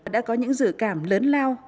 đã có những dự cảm lớn lao